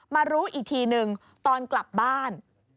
มารู้อีกทีนึงตอนกลับบ้าน